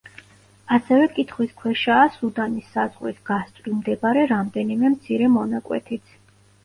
ასევე კითხვის ქვეშაა სუდანის საზღვრის გასწვრივ მდებარე რამდენიმე მცირე მონაკვეთიც.